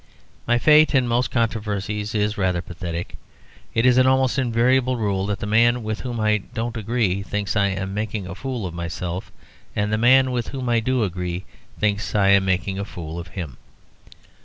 My fate in most controversies is rather pathetic. It is an almost invariable rule that the man with whom I don't agree thinks I am making a fool of myself, and the man with whom I do agree thinks I am making a fool of him.